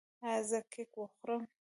ایا زه کیک وخورم؟